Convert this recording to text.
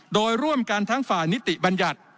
โดยร่วมกันทั้งฝ่ายนิติบัญญัติ